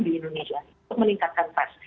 di indonesia untuk meningkatkan tes